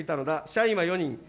社員は４人。